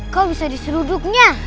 kau bisa diseruduknya